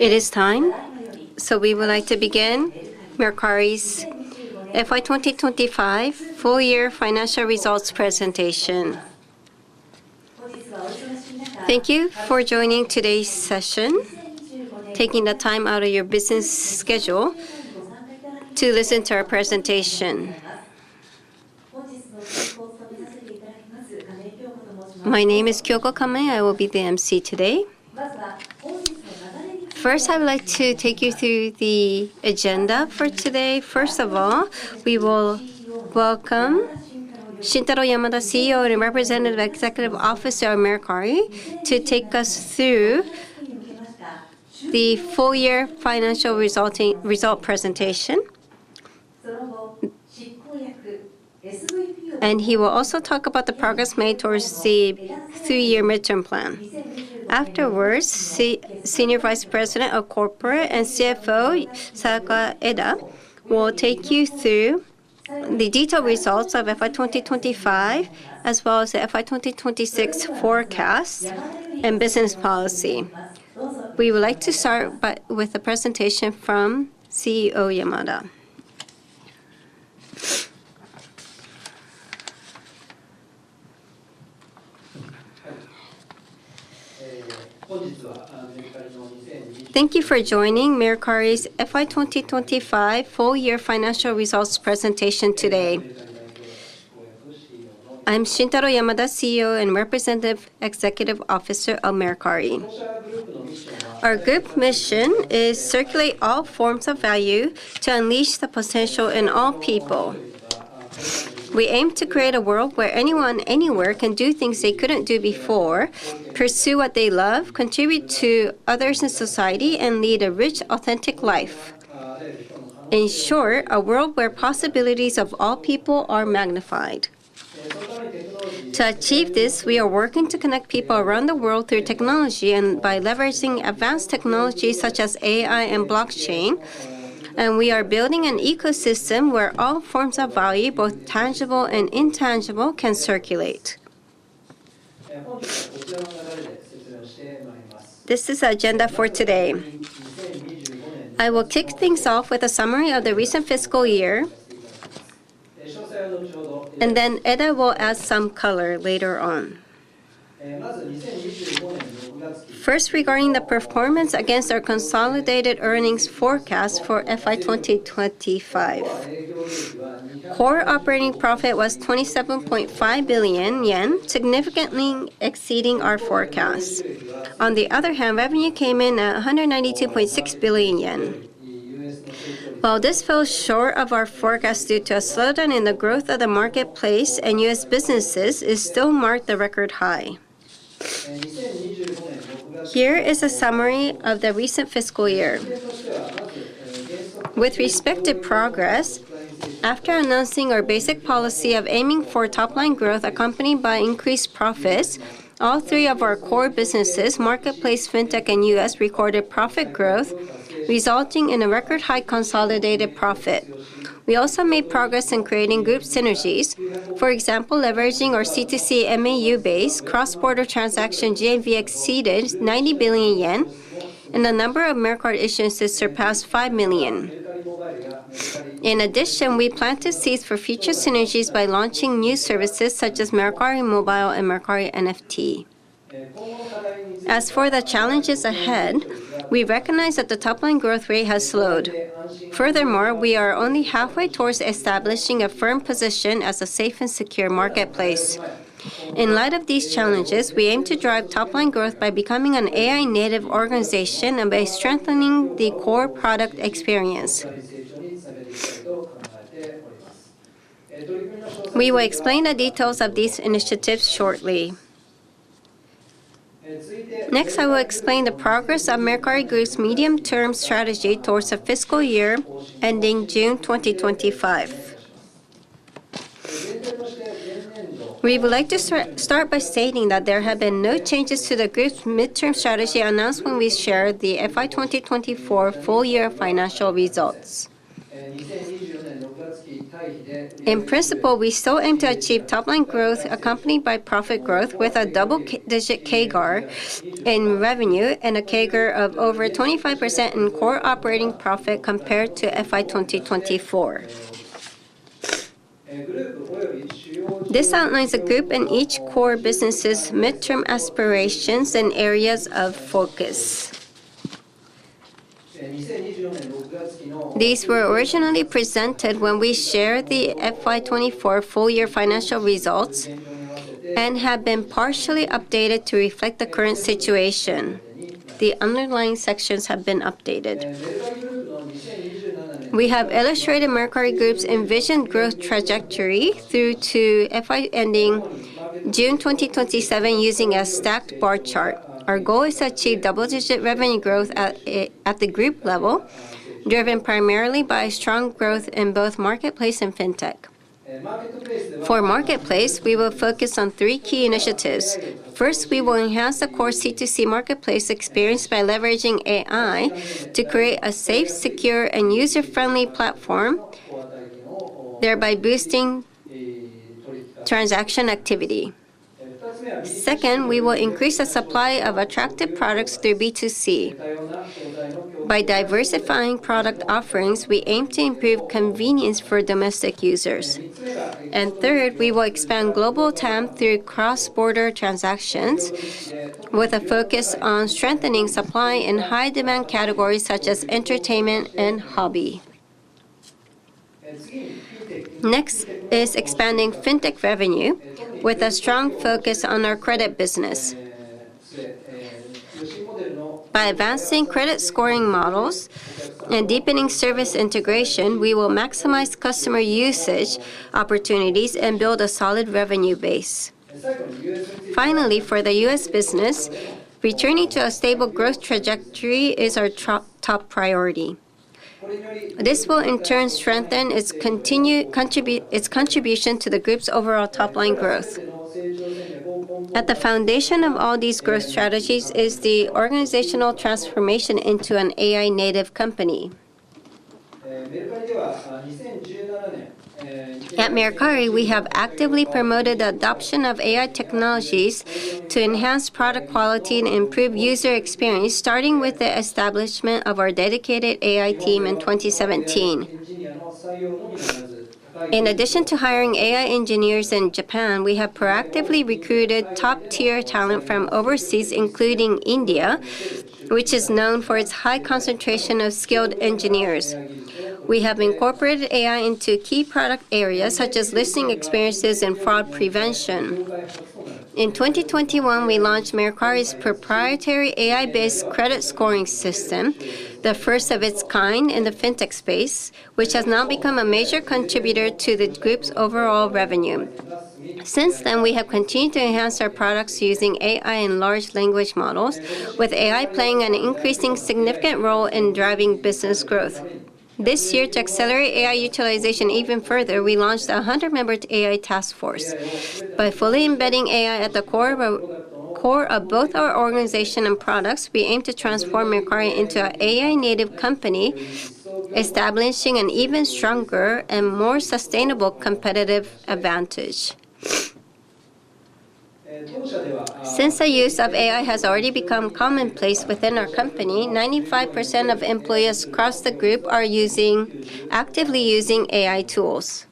It is time. We would like to begin Mercari's FY 2025 Full-Year Financial Results Presentation. Thank you for joining today's session, taking the time out of your business schedule to listen to our presentation. My name is (Kyoko Kame). I will be the emcee today. First, I would like to take you through the agenda for today. First of all, we will welcome Shintaro Yamada, CEO and Representative Executive Officer at Mercari, to take us through the full-year financial results presentation. He will also talk about the progress made towards the 3-year midterm plan. Afterwards, Senior Vice President and CFO, Sayaka Eda, will take you through the detailed results of FY 2025, as well as the FY 2026 forecast and business policy. We would like to start with a presentation from CEO Yamada. Thank you for joining Mercari's FY 2025 Full-Year Financial Results Presentation today. I am Shintaro Yamada, CEO and Representative Executive Officer of Mercari. Our group mission is to circulate all forms of value to unleash the potential in all people. We aim to create a world where anyone, anywhere, can do things they couldn't do before, pursue what they love, contribute to others in society, and lead a rich, authentic life. In short, a world where possibilities of all people are magnified. To achieve this, we are working to connect people around the world through technology and by leveraging advanced technologies such as AI and blockchain. We are building an ecosystem where all forms of value, both tangible and intangible, can circulate. This is the agenda for today. I will kick things off with a summary of the recent fiscal year, and then Eda will add some color later on. First, regarding the performance against our consolidated earnings forecast for FY 2025, core operating profit was 27.5 billion yen, significantly exceeding our forecast. On the other hand, revenue came in at 192.6 billion yen. While this falls short of our forecast due to a slowdown in the growth of the marketplace and U.S. businesses, it still marked a record high. Here is a summary of the recent fiscal year. With respect to progress, after announcing our basic policy of aiming for top-line growth accompanied by increased profits, all three of our core businesses, marketplace, fintech, and U.S., recorded profit growth, resulting in a record-high consolidated profit. We also made progress in creating group synergies. For example, leveraging our C2C MAU-based cross-border transactions, GMV exceeded 90 billion yen, and the number of Mercard issuances surpassed 5 million. In addition, we plan to seize for future synergies by launching new services such as Mercari Mobile and Mercari NFT. As for the challenges ahead, we recognize that the top-line growth rate has slowed. Furthermore, we are only halfway towards establishing a firm position as a safe and secure marketplace. In light of these challenges, we aim to drive top-line growth by becoming an AI-native organization and by strengthening the core product experience. We will explain the details of these initiatives shortly. Next, I will explain the progress of Mercari Group's medium-term strategy towards the fiscal year ending June 2025. We would like to start by stating that there have been no changes to the group's midterm strategy announced when we shared the FY 2024 full-year financial results. In principle, we still aim to achieve top-line growth accompanied by profit growth with a double-digit CAGR in revenue and a CAGR of over 25% in core operating profit compared to FY 2024. This outlines the group and each core business's midterm aspirations and areas of focus. These were originally presented when we shared the FY 2024 full-year financial results and have been partially updated to reflect the current situation. The underlying sections have been updated. We have illustrated Mercari Group's envisioned growth trajectory through to FY ending June 2027 using a stacked bar chart. Our goal is to achieve double-digit revenue growth at the group level, driven primarily by strong growth in both marketplace and fintech. For marketplace, we will focus on three key initiatives. First, we will enhance the core C2C marketplace experience by leveraging AI to create a safe, secure, and user-friendly platform, thereby boosting transaction activity. Second, we will increase the supply of attractive products through B2C. By diversifying product offerings, we aim to improve convenience for domestic users. Third, we will expand global TAM through cross-border transactions with a focus on strengthening supply in high-demand categories such as entertainment and hobby. Next is expanding fintech revenue with a strong focus on our credit business. By advancing credit scoring models and deepening service integration, we will maximize customer usage opportunities and build a solid revenue base. Finally, for the U.S. business, returning to a stable growth trajectory is our top priority. This will in turn strengthen its contribution to the group's overall top-line growth. At the foundation of all these growth strategies is the organizational transformation into an AI-native company. At Mercari, we have actively promoted the adoption of AI technologies to enhance product quality and improve user experience, starting with the establishment of our dedicated AI team in 2017. In addition to hiring AI engineers in Japan, we have proactively recruited top-tier talent from overseas, including India, which is known for its high concentration of skilled engineers. We have incorporated AI into key product areas such as listening experiences and fraud prevention. In 2021, we launched Mercari's proprietary AI-based credit scoring system, the first of its kind in the fintech space, which has now become a major contributor to the group's overall revenue. Since then, we have continued to enhance our products using AI and large language models, with AI playing an increasingly significant role in driving business growth. This year, to accelerate AI utilization even further, we launched a 100-member AI task force. By fully embedding AI at the core of both our organization and products, we aim to transform Mercari into an AI-native company, establishing an even stronger and more sustainable competitive advantage. Since the use of AI has already become commonplace within our company, 95% of employees across the group are actively using AI tools.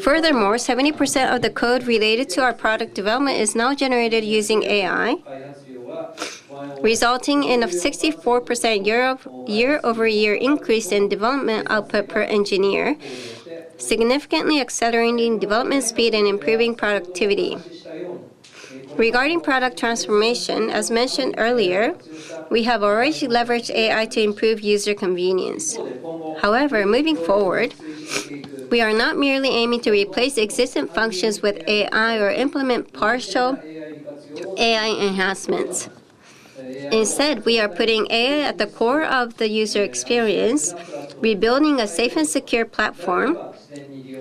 Furthermore, 70% of the code related to our product development is now generated using AI, resulting in a 64% year-over-year increase in development output per engineer, significantly accelerating development speed and improving productivity. Regarding product transformation, as mentioned earlier, we have already leveraged AI to improve user convenience. However, moving forward, we are not merely aiming to replace existing functions with AI or implement partial AI enhancements. Instead, we are putting AI at the core of the user experience, rebuilding a safe and secure platform,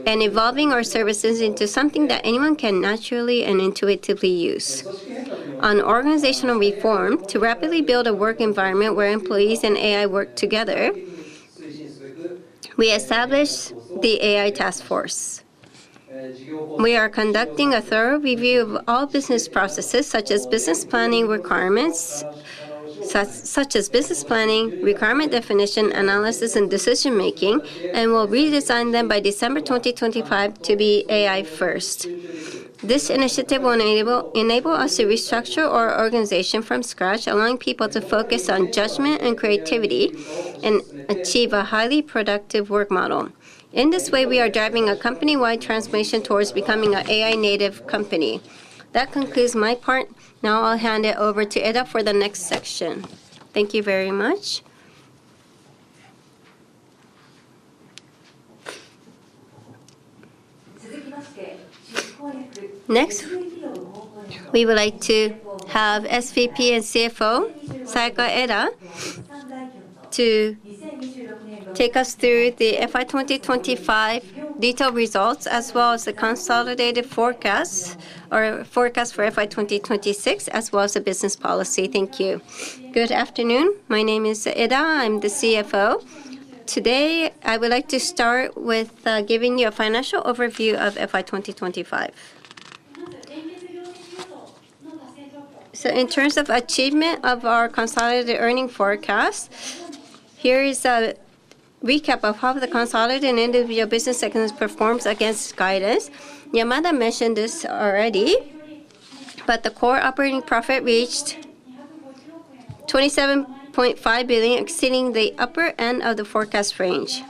and evolving our services into something that anyone can naturally and intuitively use. On organizational reform, to rapidly build a work environment where employees and AI work together, we established the AI task force. We are conducting a thorough review of all business processes, such as business planning, requirement definition, analysis, and decision-making, and will redesign them by December 2025 to be AI-first. This initiative will enable us to restructure our organization from scratch, allowing people to focus on judgment and creativity and achieve a highly productive work model. In this way, we are driving a company-wide transformation towards becoming an AI-native company. That concludes my part. Now I'll hand it over to Eda for the next section. Thank you very much. Next, we would like to have Senior Vice President and CFO, Sayaka Eda, to take us through the FY 2025 detailed results, as well as the consolidated forecast, or forecast for FY 2026, as well as the business policy. Thank you. Good afternoon. My name is Eda. I'm the CFO. Today, I would like to start with giving you a financial overview of FY 2025. In terms of achievement of our consolidated earnings forecast, here is a recap of how the consolidated end-of-year business performance against guidance. Yamada mentioned this already, but the core operating profit reached 27.5 billion, exceeding the upper end of the forecast range.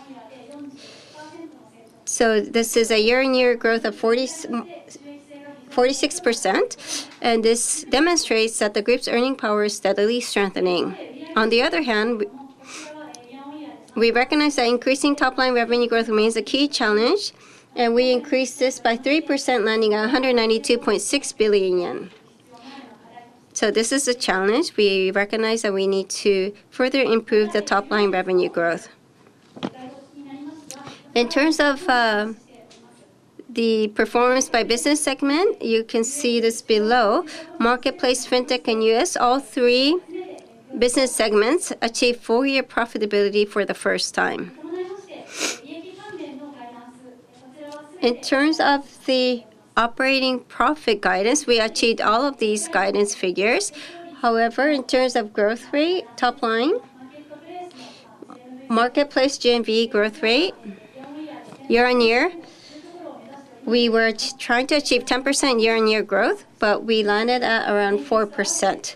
This is a year-on-year growth of 46%, and this demonstrates that the group's earning power is steadily strengthening. On the other hand, we recognize that increasing top-line revenue growth remains a key challenge, and we increased this by 3%, landing at 192.6 billion yen. This is a challenge. We recognize that we need to further improve the top-line revenue growth. In terms of the performance by business segment, you can see this below. Marketplace, fintech, and U.S. all three business segments achieved full-year profitability for the first time. In terms of the operating profit guidance, we achieved all of these guidance figures. However, in terms of growth rate, top-line, marketplace GMV growth rate, year-on-year, we were trying to achieve 10% year-on-year growth, but we landed at around 4%.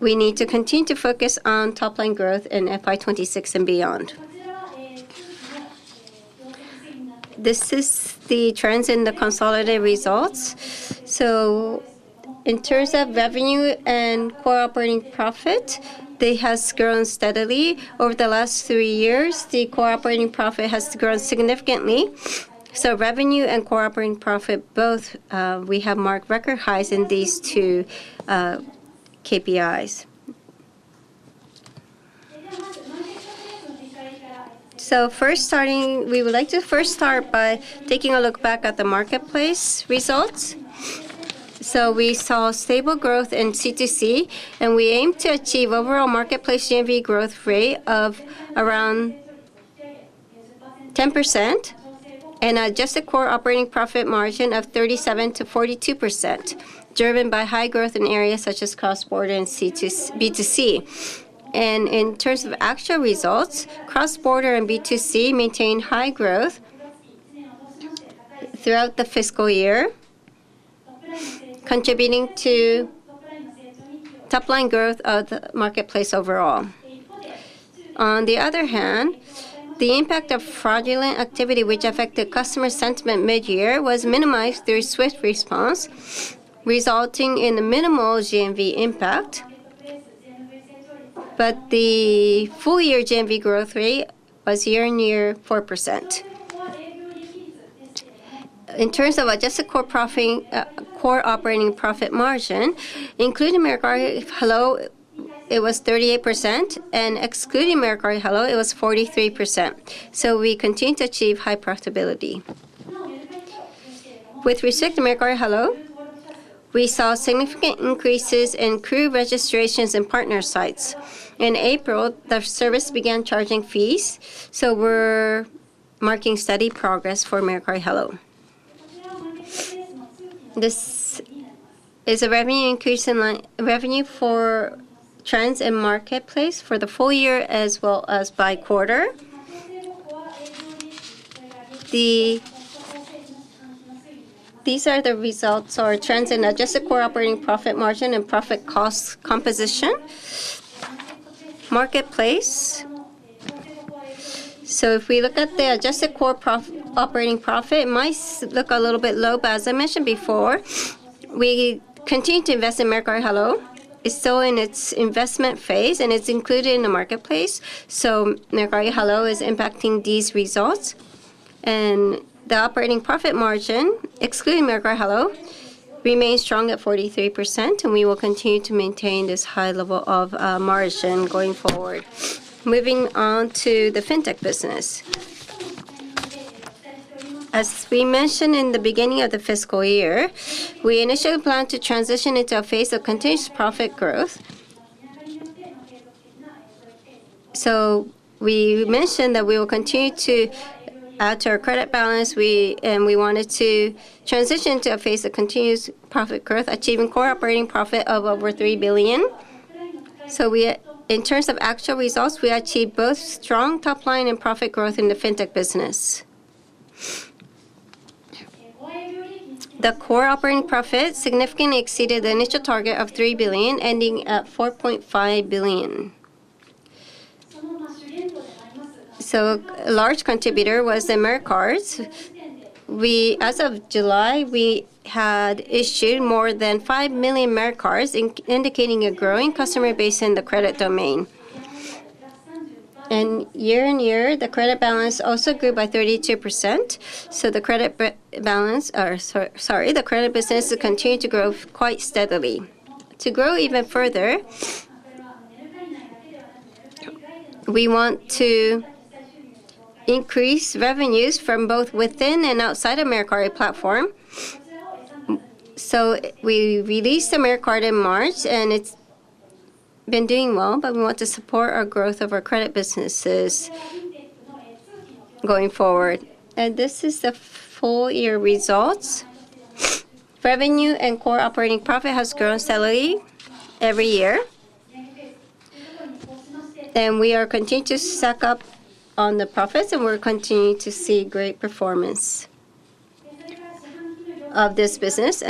We need to continue to focus on top-line growth in FY 2026 and beyond. This is the trends in the consolidated results. In terms of revenue and core operating profit, they have grown steadily. Over the last three years, the core operating profit has grown significantly. Revenue and core operating profit, both, we have marked record highs in these two KPIs. First, we would like to start by taking a look back at the marketplace results. We saw stable growth in C2C, and we aim to achieve overall marketplace GMV growth rate of around 10% and an adjusted core operating profit margin of 37%-42%, driven by high growth in areas such as cross-border and B2C. In terms of actual results, cross-border and B2C maintained high growth throughout the fiscal year, contributing to top-line growth of the marketplace overall. On the other hand, the impact of fraudulent activity, which affected customer sentiment mid-year, was minimized through swift response, resulting in minimal GMV impact. The full-year GMV growth rate was year-on-year 4%. In terms of adjusted core profit, core operating profit margin, including Mercari Hallo, was 38%, and excluding Mercari Hallo, was 43%. We continued to achieve high profitability. With respect to Mercari Hallo, we saw significant increases in crew registrations and partner sites. In April, the service began charging fees, so we're marking steady progress for Mercari Hallo. This is a revenue increase in revenue for trends in marketplace for the full year, as well as by quarter. These are the results or trends in adjusted core operating profit margin and profit cost composition marketplace. If we look at the adjusted core operating profit, it might look a little bit low, but as I mentioned before, we continue to invest in Mercari Hallo. It's still in its investment phase, and it's included in the marketplace. Mercari Hallo is impacting these results, and the operating profit margin, excluding Mercari Hallo, remains strong at 43%, and we will continue to maintain this high level of margin going forward. Moving on to the fintech business. As we mentioned in the beginning of the fiscal year, we initially planned to transition into a phase of continuous profit growth. We mentioned that we will continue to add to our credit balance, and we wanted to transition into a phase of continuous profit growth, achieving core operating profit of over 3 billion. In terms of actual results, we achieved both strong top-line and profit growth in the fintech business. The core operating profit significantly exceeded the initial target of 3 billion, ending at 4.5 billion. A large contributor was the Mercard. As of July, we had issued more than 5 million Mercards, indicating a growing customer base in the credit domain. Year-on-year, the credit balance also grew by 32%. The credit balance, or sorry, the credit business has continued to grow quite steadily. To grow even further, we want to increase revenues from both within and outside of the Mercari platform. We released the Mercard in March, and it's been doing well, but we want to support our growth of our credit businesses going forward. This is the full-year results. Revenue and core operating profit have grown steadily every year. We are continuing to stack up on the profits, and we're continuing to see great performance of this business.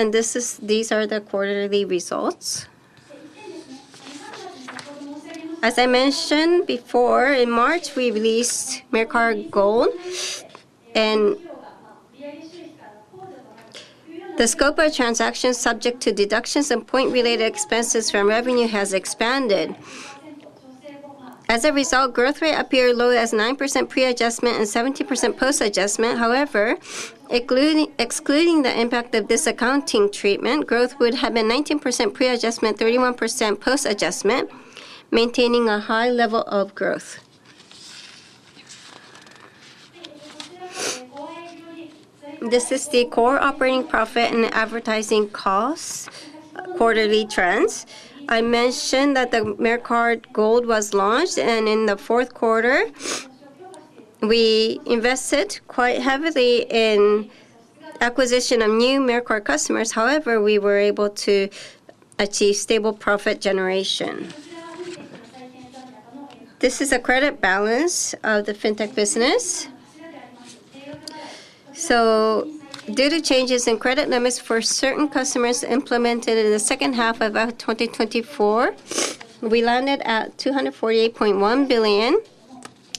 These are the quarterly results. As I mentioned before, in March, we released Mercard Gold, and the scope of transactions subject to deductions and point-related expenses from revenue has expanded. As a result, growth rate appeared low as 9% pre-adjustment and 17% post-adjustment. However, excluding the impact of this accounting treatment, growth would have been 19% pre-adjustment, 31% post-adjustment, maintaining a high level of growth. This is the core operating profit and advertising cost quarterly trends. I mentioned that the Mercard Gold was launched, and in the fourth quarter, we invested quite heavily in acquisition of new Mercard customers. However, we were able to achieve stable profit generation. This is a credit balance of the fintech business. Due to changes in credit limits for certain customers implemented in the second half of 2024, we landed at 248.1 billion.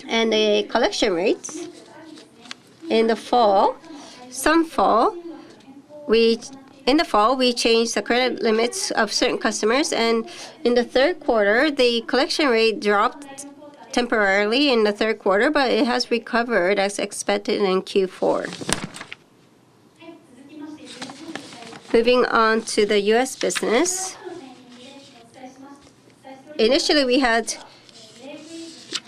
The collection rates in the fall, in the fall, we changed the credit limits of certain customers, and in the third quarter, the collection rate dropped temporarily in the third quarter, but it has recovered as expected in Q4. Moving on to the U.S. business. Initially, we had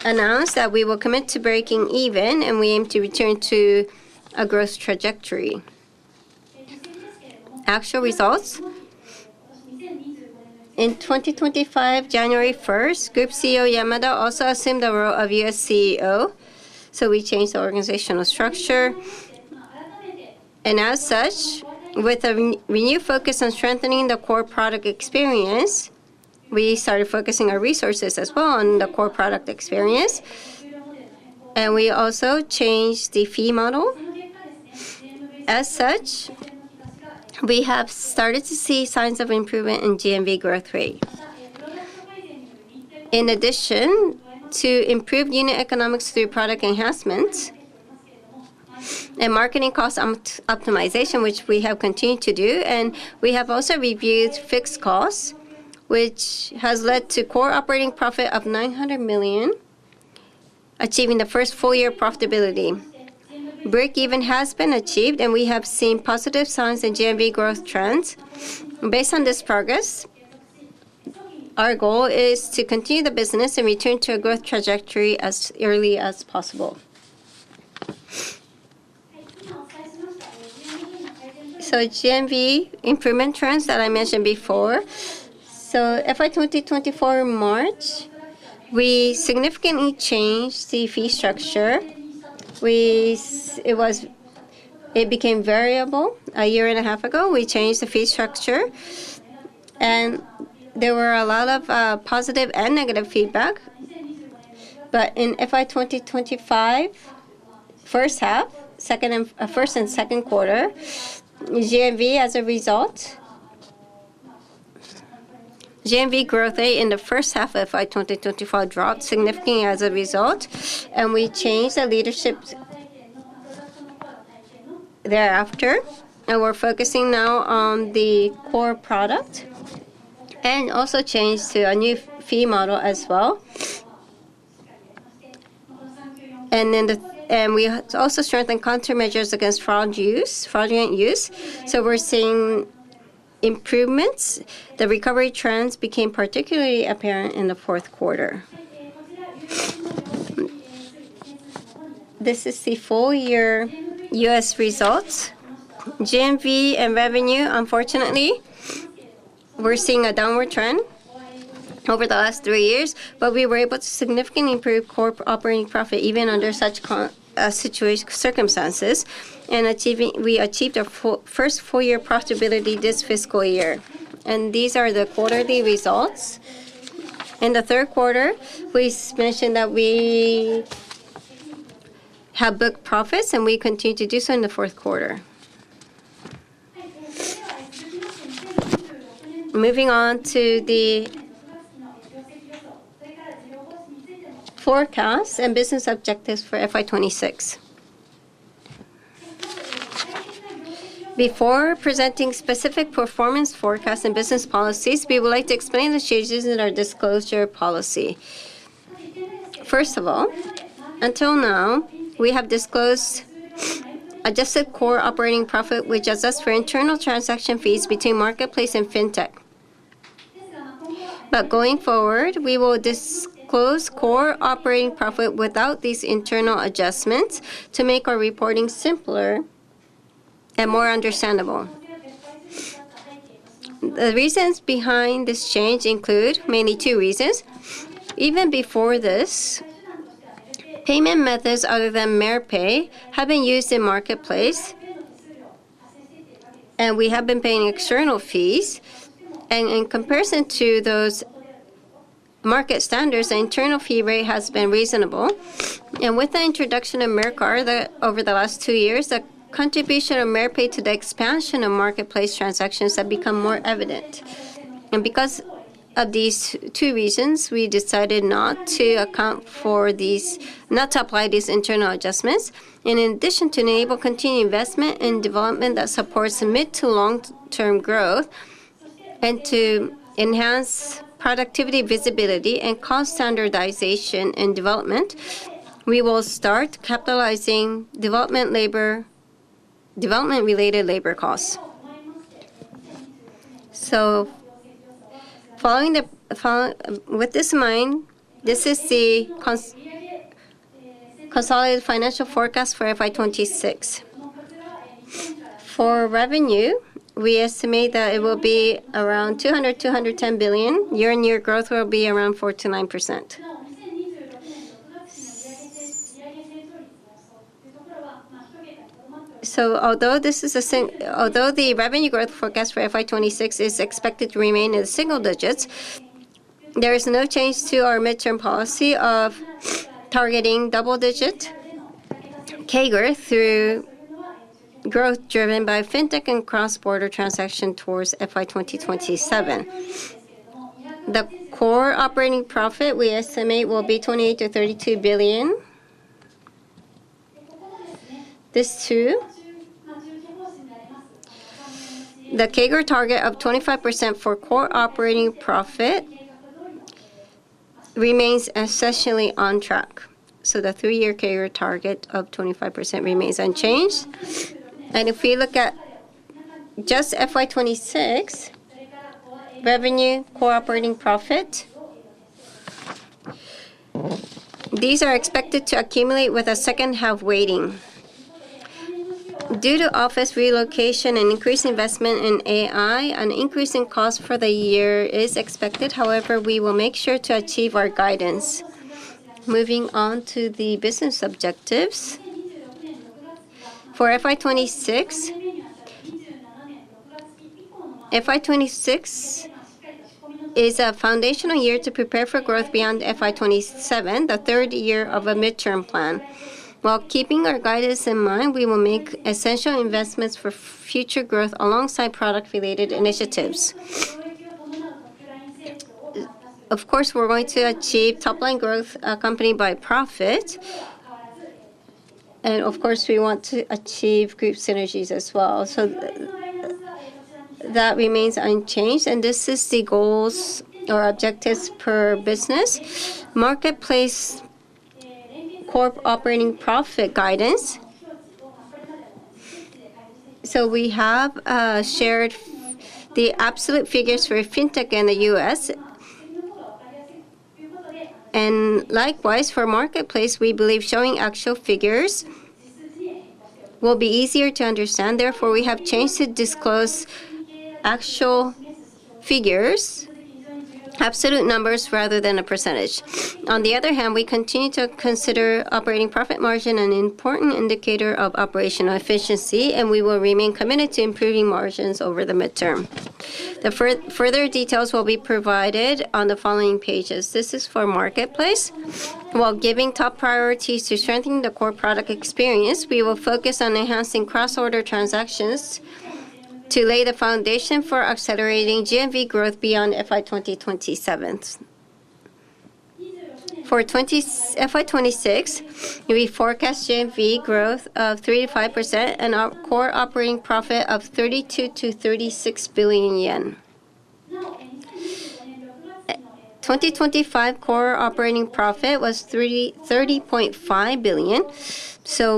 announced that we will commit to breaking even, and we aim to return to a growth trajectory. Actual results. In 2025, January 1st, Mercari Group CEO Yamada also assumed the role of U.S. CEO, so we changed the organizational structure. With a renewed focus on strengthening the core product experience, we started focusing our resources as well on the core product experience. We also changed the fee model. We have started to see signs of improvement in GMV growth rate. In addition to improved unit economics through product enhancements and marketing cost optimization, which we have continued to do, we have also reviewed fixed costs, which has led to a core operating profit of 900 million, achieving the first full-year profitability. Break-even has been achieved, and we have seen positive signs in GMV growth trends. Based on this progress, our goal is to continue the business and return to a growth trajectory as early as possible. GMV improvement trends that I mentioned before. FY 2024 in March, we significantly changed the fee structure. It became variable a year and a half ago. We changed the fee structure, and there were a lot of positive and negative feedback. In FY 2025 first half, second and first and second quarter, GMV as a result, GMV growth rate in the first half of FY 2025 dropped significantly as a result, and we changed the leadership thereafter. We're focusing now on the core product and also changed to a new fee model as well. We also strengthened countermeasures against fraud use, fraudulent use. We're seeing improvements. The recovery trends became particularly apparent in the fourth quarter. This is the full-year U.S. results. GMV and revenue, unfortunately, we're seeing a downward trend over the last three years, but we were able to significantly improve core operating profit even under such situations, circumstances. We achieved our first full-year profitability this fiscal year. These are the quarterly results. In the third quarter, we mentioned that we have booked profits, and we continue to do so in the fourth quarter. Moving on to the forecast and business objectives for FY 2026. Before presenting specific performance forecasts and business policies, we would like to explain the changes in our disclosure policy. First of all, until now, we have disclosed adjusted core operating profit, which is just for internal transaction fees between marketplace and fintech. Going forward, we will disclose core operating profit without these internal adjustments to make our reporting simpler and more understandable. The reasons behind this change include mainly two reasons. Even before this, payment methods other than Merpay have been used in marketplace, and we have been paying external fees. In comparison to those market standards, the internal fee rate has been reasonable. With the introduction of Mercard over the last two years, the contribution of Merpay to the expansion of marketplace transactions has become more evident. Because of these two reasons, we decided not to account for these, not to apply these internal adjustments. In addition, to enable continued investment in development that supports mid to long-term growth and to enhance productivity, visibility, and cost standardization in development, we will start capitalizing development labor, development-related labor costs. Following this in mind, this is the consolidated financial forecast for FY 2026. For revenue, we estimate that it will be around 200 billion-210 billion. Year-on-year growth will be around 4% to 9%. Although the revenue growth forecast for FY 2026 is expected to remain in the single digits, there is no change to our midterm policy of targeting double-digit CAGR through growth driven by fintech and cross-border transactions towards FY 2027. The core operating profit we estimate will be 28 billion-32 billion. The CAGR target of 25% for core operating profit remains essentially on track. The three-year CAGR target of 25% remains unchanged. If we look at just FY 2026, revenue and core operating profit are expected to accumulate with a second half weighting. Due to office relocation and increased investment in AI, an increase in cost for the year is expected. However, we will make sure to achieve our guidance. Moving on to the business objectives for FY 2026. FY 2026 is a foundational year to prepare for growth beyond FY 2027, the third year of a midterm plan. While keeping our guidance in mind, we will make essential investments for future growth alongside product-related initiatives. Of course, we're going to achieve top-line growth accompanied by profit. We want to achieve group synergies as well. That remains unchanged. These are the goals or objectives per business. Marketplace core operating profit guidance. We have shared the absolute figures for fintech in the U.S. Likewise, for marketplace, we believe showing actual figures will be easier to understand. Therefore, we have changed to disclose actual figures, absolute numbers rather than a percentage. On the other hand, we continue to consider operating profit margin an important indicator of operational efficiency, and we will remain committed to improving margins over the midterm. The further details will be provided on the following pages. This is for marketplace. While giving top priority to strengthening the core product experience, we will focus on enhancing cross-border transactions to lay the foundation for accelerating GMV growth beyond FY 2027. For FY 2026, we forecast GMV growth of 3% to 5% and a core operating profit of 32 billion-36 billion yen. FY 2025 core operating profit was 30.5 billion.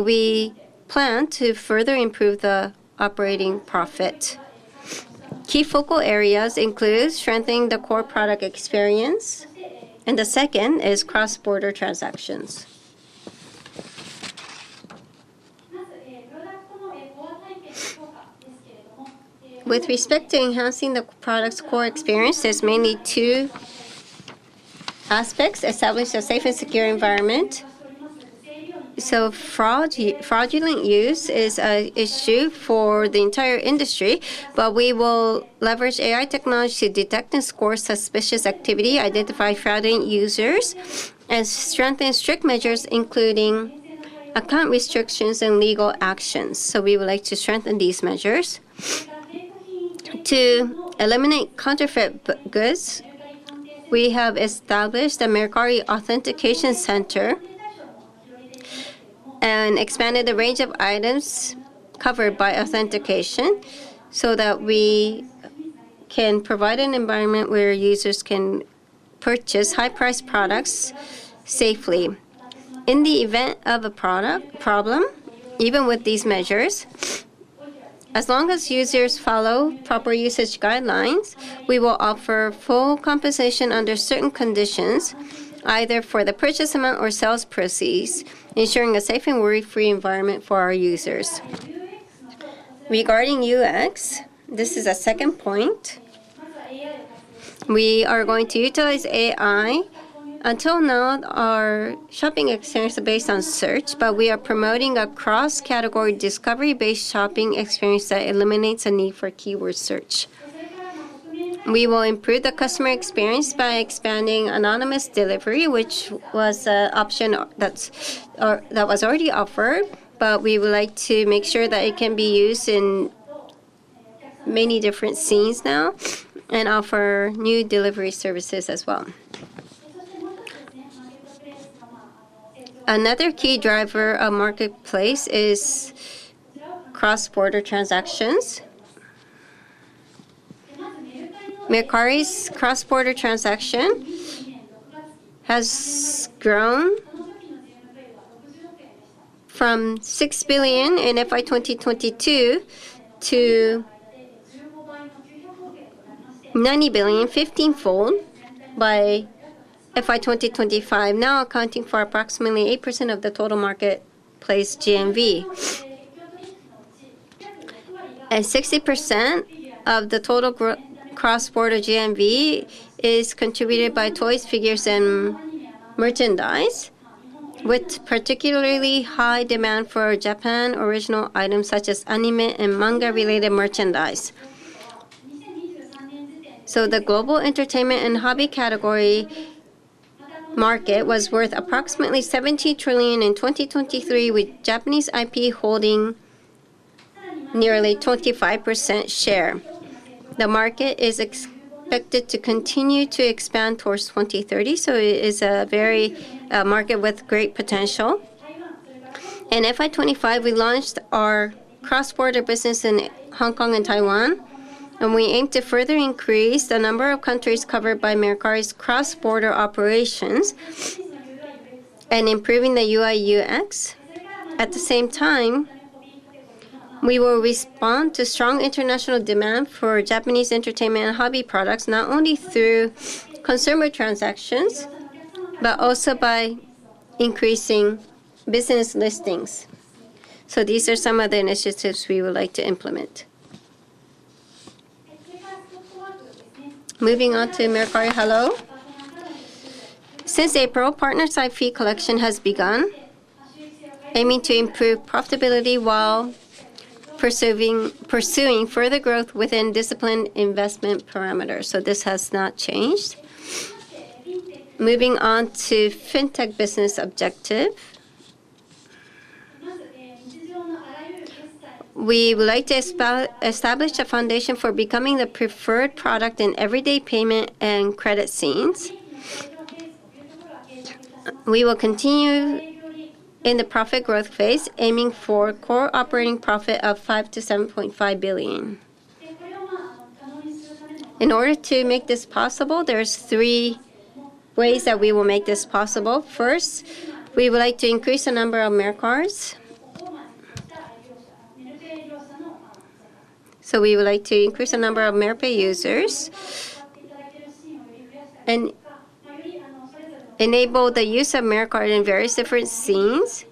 We plan to further improve the operating profit. Key focal areas include strengthening the core product experience, and the second is cross-border transactions. With respect to enhancing the product's core experience, there's mainly two aspects: establish a safe and secure environment. Fraudulent use is an issue for the entire industry, but we will leverage AI technology to detect and score suspicious activity, identify fraudulent users, and strengthen strict measures, including account restrictions and legal actions. We would like to strengthen these measures. To eliminate counterfeit goods, we have established the Mercari Authentication Center and expanded the range of items covered by authentication so that we can provide an environment where users can purchase high-priced products safely. In the event of a product problem, even with these measures, as long as users follow proper usage guidelines, we will offer full compensation under certain conditions, either for the purchase amount or sales proceeds, ensuring a safe and worry-free environment for our users. Regarding UX, this is a second point. We are going to utilize AI. Until now, our shopping experience is based on search, but we are promoting a cross-category discovery-based shopping experience that eliminates the need for keyword search. We will improve the customer experience by expanding anonymous delivery, which was an option that was already offered, but we would like to make sure that it can be used in many different scenes now and offer new delivery services as well. Another key driver of marketplace is cross-border transactions. Mercari's cross-border transaction has grown from 6 billion in FY 2022 to 90 billion, 15-fold by FY 2025, now accounting for approximately 8% of the total marketplace GMV. 60% of the total cross-border GMV is contributed by toys, figures, and merchandise, with particularly high demand for Japan original items such as anime and manga-related merchandise. The global entertainment and hobby category market was worth approximately $17 trillion in 2023, with Japanese IP holding nearly 25% share. The market is expected to continue to expand towards 2030, so it is a market with great potential. In FY 2025, we launched our cross-border business in Hong Kong and Taiwan, and we aim to further increase the number of countries covered by Mercari's cross-border operations and improve the UI/UX. At the same time, we will respond to strong international demand for Japanese entertainment and hobby products, not only through consumer transactions but also by increasing business listings. These are some of the initiatives we would like to implement. Moving on to Mercari Hallo. Since April, partner-side fee collection has begun, aiming to improve profitability while pursuing further growth within disciplined investment parameters. This has not changed. Moving on to fintech business objectives. We would like to establish a foundation for becoming the preferred product in everyday payment and credit scenes. We will continue in the profit growth phase, aiming for a core operating profit of $5 billion-$7.5 billion. In order to make this possible, there are three ways that we will make this possible. First, we would like to increase the number of Mercards. We would like to increase the number of Merpay users, enable the use of Mercard in various different scenes,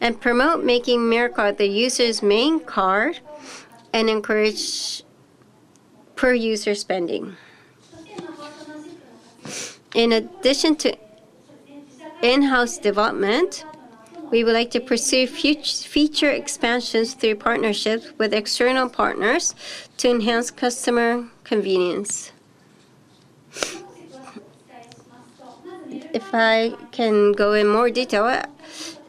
and promote making Mercard the user's main card and encourage per-user spending. In addition to in-house development, we would like to pursue future expansions through partnerships with external partners to enhance customer convenience. If I can go in more detail,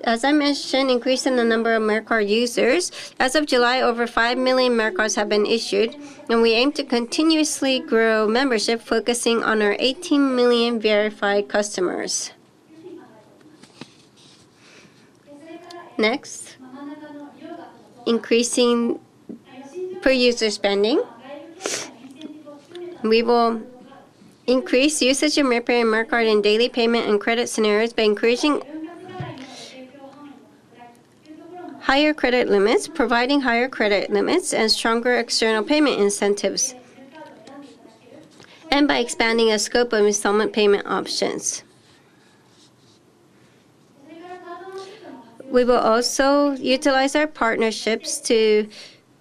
as I mentioned, increasing the number of Mercard users. As of July, over 5 million Mercards have been issued, and we aim to continuously grow membership, focusing on our 18 million verified customers. Next, increasing per-user spending. We will increase usage of Merpay and Mercard in daily payment and credit scenarios by encouraging higher credit limits, providing higher credit limits, and stronger external payment incentives, and by expanding the scope of installment payment options. We will also utilize our partnerships to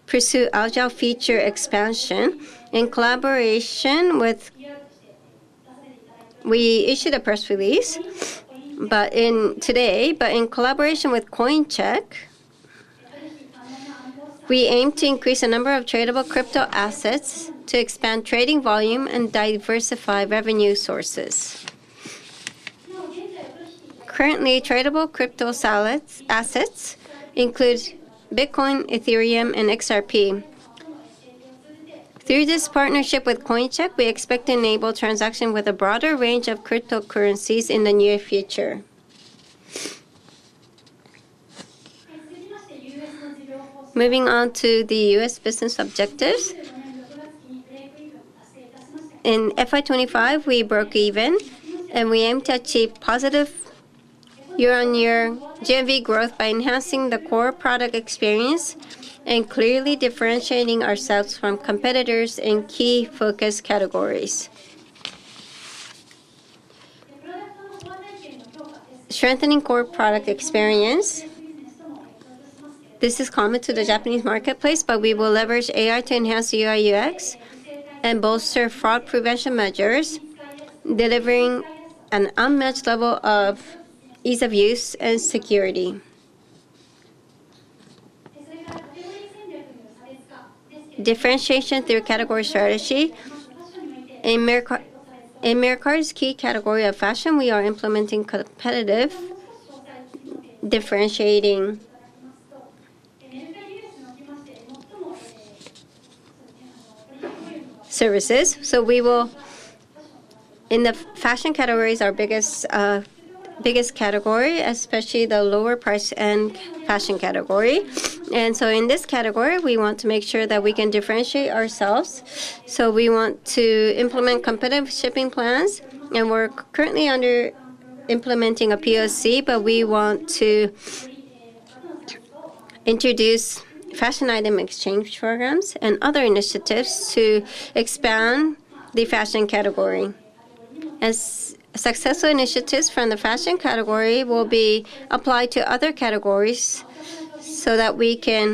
pursue agile feature expansion in collaboration with Coincheck. We issued a press release today, and in collaboration with Coincheck, we aim to increase the number of tradable crypto assets to expand trading volume and diversify revenue sources. Currently, tradable crypto assets include Bitcoin, Ethereum, and XRP. Through this partnership with Coincheck, we expect to enable transactions with a broader range of cryptocurrencies in the near future. Moving on to the U.S. business objectives. In FY 2025, we broke even, and we aim to achieve positive year-on-year GMV growth by enhancing the core product experience and clearly differentiating ourselves from competitors in key focus categories. Strengthening core product experience. This is common to the Japanese marketplace, but we will leverage AI to enhance UI/UX and bolster fraud prevention measures, delivering an unmatched level of ease of use and security. Differentiation through category strategy. In Mercard's key category of fashion, we are implementing competitive differentiating services. In the fashion categories, our biggest category, especially the lower price and fashion category, we want to make sure that we can differentiate ourselves. We want to implement competitive shipping plans, and we're currently implementing a POC, but we want to introduce fashion item exchange programs and other initiatives to expand the fashion category. Successful initiatives from the fashion category will be applied to other categories so that we can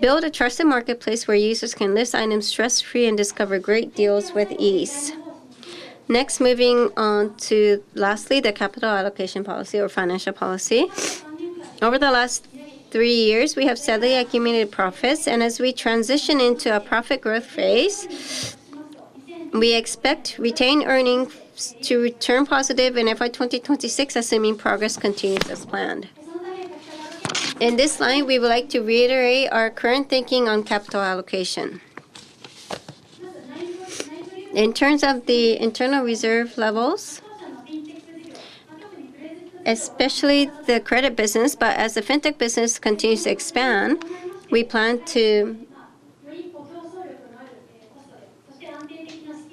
build a trusted marketplace where users can list items stress-free and discover great deals with ease. Next, moving on to the capital allocation policy or financial policy. Over the last three years, we have steadily accumulated profits, and as we transition into a profit growth phase, we expect retained earnings to return positive in FY 2026, assuming progress continues as planned. In this line, we would like to reiterate our current thinking on capital allocation. In terms of the internal reserve levels, especially the credit business, as the fintech business continues to expand, we plan to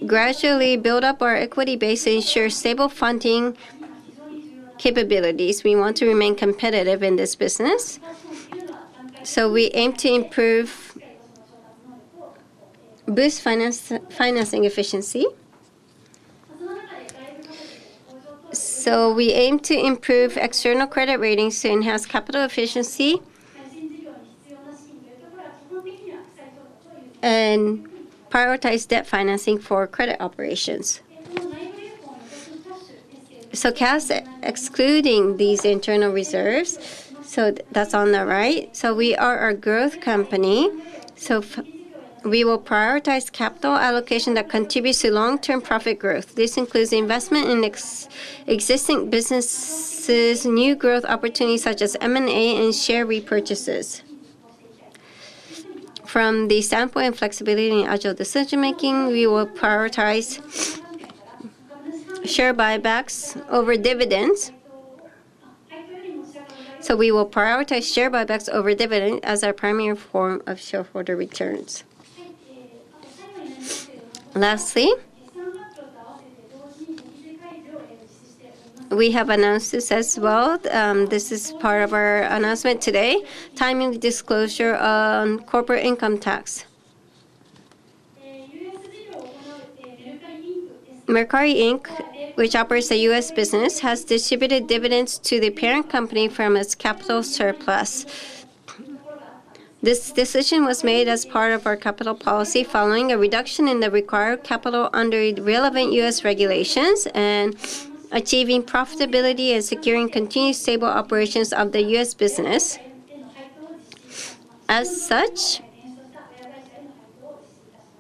gradually build up our equity base and ensure stable funding capabilities. We want to remain competitive in this business. We aim to improve financing efficiency. We aim to improve external credit ratings to enhance capital efficiency and prioritize debt financing for credit operations. Cash excluding these internal reserves, that's on the right. We are a growth company, so we will prioritize capital allocation that contributes to long-term profit growth. This includes investment in existing businesses, new growth opportunities such as M&A, and share repurchases. From the standpoint of flexibility and agile decision-making, we will prioritize share buybacks over dividends. We will prioritize share buybacks over dividends as our primary form of shareholder returns. Lastly, we have announced this as well. This is part of our announcement today. Timing the disclosure on corporate income tax. Mercari, Inc, which operates a U.S. business, has distributed dividends to the parent company from its capital surplus. This decision was made as part of our capital policy following a reduction in the required capital under relevant U.S. regulations and achieving profitability and securing continued stable operations of the U.S. business. As such,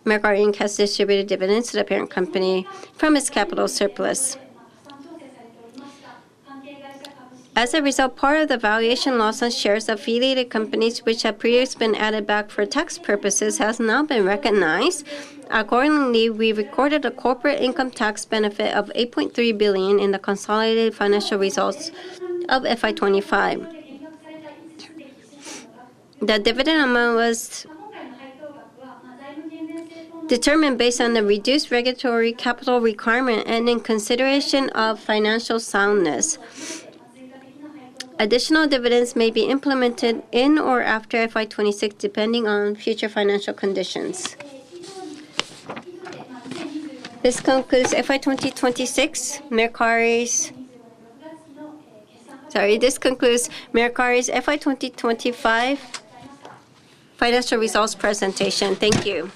Mercari, Inc has distributed dividends to the parent company from its capital surplus. As a result, part of the valuation loss on shares of affiliated companies, which have previously been added back for tax purposes, has now been recognized. Accordingly, we recorded a corporate income tax benefit of $8.3 billion in the consolidated financial results of FY 2025. The dividend amount was determined based on the reduced regulatory capital requirement and in consideration of financial soundness. Additional dividends may be implemented in or after FY 2026, depending on future financial conditions. This concludes Mercari's FY 2025 financial results presentation. Thank you.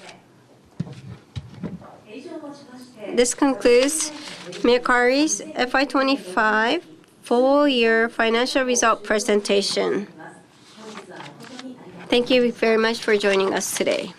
This concludes Mercari's FY 2025 full-year financial result presentation. Thank you very much for joining us today.